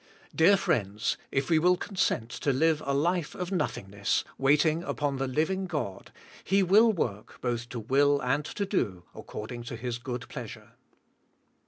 Dear friends, if we will consent to live a life of nothing ness, waiting upon the living* God, He will work both to will and to do according to His good pleasure.